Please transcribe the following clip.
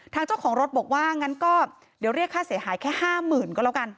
เจ้าของรถบอกว่างั้นก็เดี๋ยวเรียกค่าเสียหายแค่๕๐๐๐ก็แล้วกัน